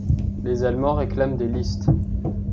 Les Allemands réclament des listes.